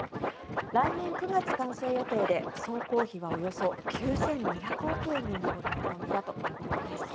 来年９月、完成予定で総工費はおよそ９２００億円に上る見込みだということです。